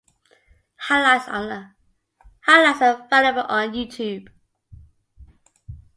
Highlights are available on Youtube.